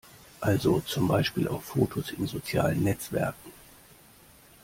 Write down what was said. Also zum Beispiel auf Fotos in sozialen Netzwerken.